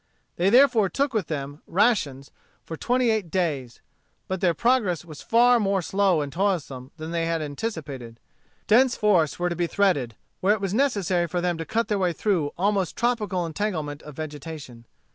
They therefore took with them rations for twenty eight days. But their progress was far more slow and toilsome than they had anticipated. Dense forests were to be threaded, where it was necessary for them to cut their way through almost tropical entanglement of vegetation.